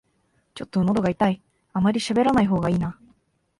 ちょっとのどが痛い、あまりしゃべらない方がいいな